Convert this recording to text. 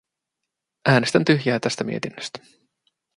Äänestän tyhjää tästä mietinnöstä.